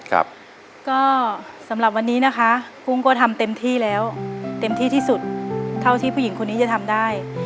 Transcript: ครับก็สำหรับวันนี้นะคะกุ้งก็ทำเต็มที่แล้วเต็มที่ที่สุดเท่าที่ผู้หญิงคนนี้จะทำได้